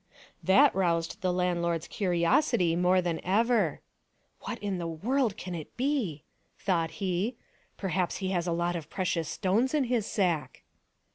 That roused the landlord's curiosity more than ever. " What in the world can it be ?" thought he. " Perhaps he has a lot of precious stones in his sack."